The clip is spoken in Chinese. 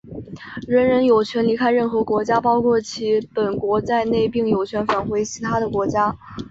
人人有权离开任何国家,包括其本国在内,并有权返回他的国家。